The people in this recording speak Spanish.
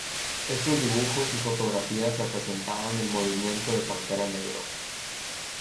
Estos dibujos y fotografías representaban el Movimiento de Pantera Negro.